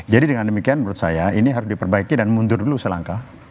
jadi dengan demikian menurut saya ini harus diperbaiki dan mundur dulu selangkah